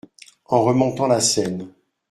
En remontant la scène.